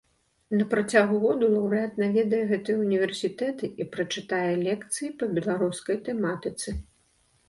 На працягу году лаўрэат наведае гэтыя ўніверсітэты і прачытае лекцыі па беларускай тэматыцы.